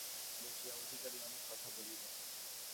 অনেকক্ষণ বসিয়া অধিকারী অনেক কথা বলিল।